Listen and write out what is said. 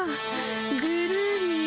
ぐるり。